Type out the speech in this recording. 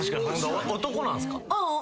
男なんすか？